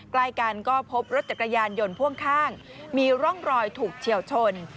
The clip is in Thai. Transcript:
ใกล้กันก็พบรถจักรยานยนต์พ่วงข้างมีร่องรอยถูกเฉียวชน